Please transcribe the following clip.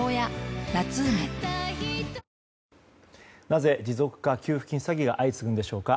なぜ、持続化給付金詐欺が相次ぐんでしょうか。